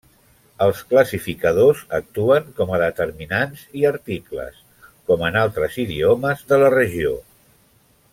Els classificadors actuen com a determinants i articles, com en altres idiomes de la regió.